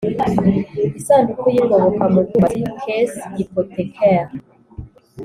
lsanduku y'ingoboka mu by'ubwubatsi (caisse hypothecaire)